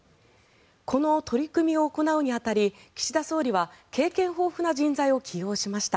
この取り組みを行うに当たり岸田総理は経験豊富な人材を起用しました。